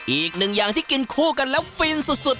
อีกหนึ่งอย่างที่กินคู่กันแล้วฟินสุด